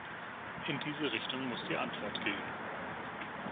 In diese Richtung muss die Antwort gehen.